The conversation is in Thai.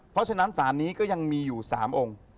เพราะฉะนั้นศาลนี้ก็ยังมีอยู่๓องค์